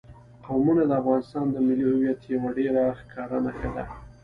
قومونه د افغانستان د ملي هویت یوه ډېره ښکاره نښه ده.